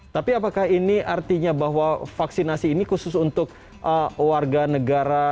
tapi apakah ini artinya bahwa vaksinasi ini khusus untuk warga negara